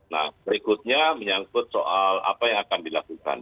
nah berikutnya menyangkut soal apa yang akan dilakukan